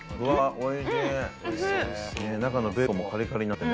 おいしいね。